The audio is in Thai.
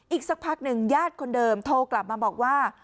อีกสักพักหนึ่งญาติคนเดิมโทรกลับมาบอกว่า